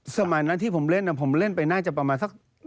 สมัยนั้นที่ผมเล่นผมเล่นไปน่าจะประมาณสัก